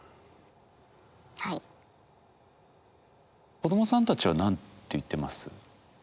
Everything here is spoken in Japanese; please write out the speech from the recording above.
子どもさんたちは何て言ってます？